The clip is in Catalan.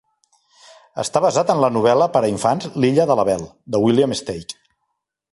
Està basat en la novel·la per a infants "L'Illa de l'Abel", de William Steig.